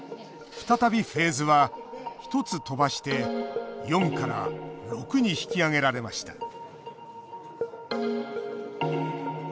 再びフェーズは１つ飛ばして４から６に引き上げられました